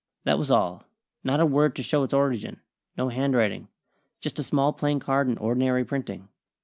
That was all. Not a word to show its origin. No handwriting. Just a small, plain card in ordinary printing.